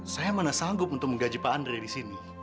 saya mana sanggup untuk menggaji pak andri disini